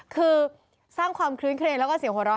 คือสร้างความคลื้นเครงแล้วก็เสียงหัวเราะ